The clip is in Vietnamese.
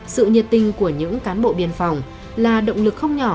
sự nhiệt tình của những cán bộ biên phòng là động lực không nhỏ